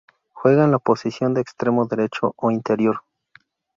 Juega en la posición de extremo derecho o interior.